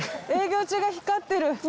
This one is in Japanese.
営業中が光ってる。